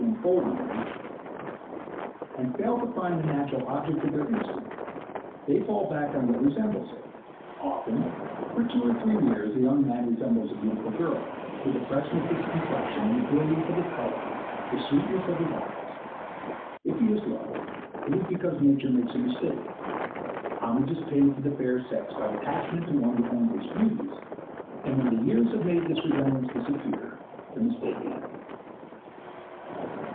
unfold in them, and fail to find the natural object of their instinct, they fall back on what resembles it. Often, for two or three years, a young man resembles a beautiful girl, with the freshness of his complexion, the brilliance of his coloring, and the sweetness of his eyes; if he is loved, it's because nature makes a mistake; homage is paid to the fair sex by attachment to one who owns its beauties, and when the years have made this resemblance disappear, the mistake ends.